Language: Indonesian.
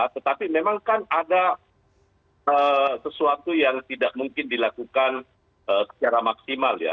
tetapi memang kan ada sesuatu yang tidak mungkin dilakukan secara maksimal ya